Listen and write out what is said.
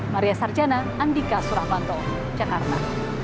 maria sarjana andika suramanto jakarta